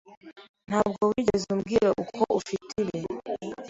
Ntabwo wigeze umbwira ko ufite ibi.